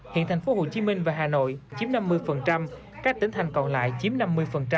hiện thành phố hồ chí minh và hà nội chiếm năm mươi các tỉnh thành còn lại chiếm năm mươi